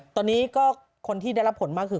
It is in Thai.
ตอนนี้ก็คนที่ได้รับผลมากคือ